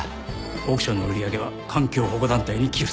オークションの売り上げは環境保護団体に寄付される。